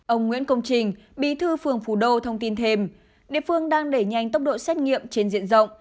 ông nguyễn công trình bí thư phường phú đô thông tin thêm địa phương đang đẩy nhanh tốc độ xét nghiệm trên diện rộng